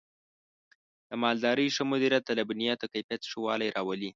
د مالدارۍ ښه مدیریت د لبنیاتو د کیفیت ښه والی راولي.